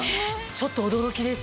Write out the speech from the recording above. ちょっと驚きです！